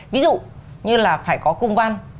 ví dụ như là phải có cung văn